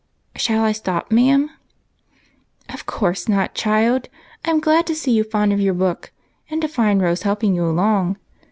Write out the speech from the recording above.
Shall I stop, ma'am ?"" Of course not, child ; I 'm glad to see you fond of your book, and to find Rose helping you along.